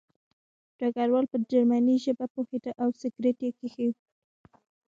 ډګروال په جرمني ژبه پوهېده او سګرټ یې کېښود